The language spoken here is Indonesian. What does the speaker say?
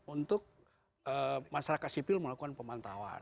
untuk masyarakat sipil melakukan pemantauan